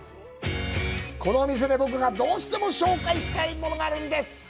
このお店で僕がどうしても紹介したいものがあるんです。